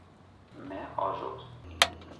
Me ajot.